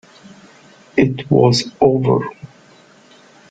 It was over.